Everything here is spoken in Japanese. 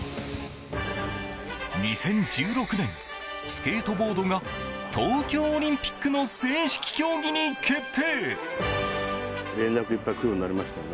２０１６年、スケートボードが東京オリンピックの正式競技に決定。